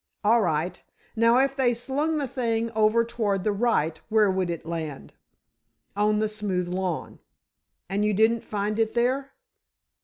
"All right. Now if they slung the thing over toward the right, where would it land?" "On the smooth lawn." "And you didn't find it there!"